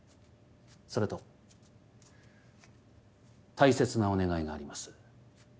それと大切なお願いがあります。